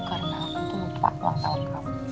karena aku tuh lupa pelang tahun kamu